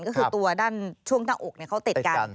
ก็คือตัวด้านช่วงหน้าอกเขาติดกัน